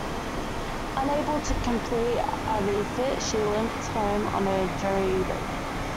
Unable to complete a refit she limped home on a jury rig.